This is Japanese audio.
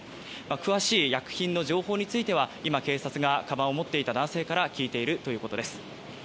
詳しい薬品の情報については今警察がかばんを持っていた男性から聴いているということです。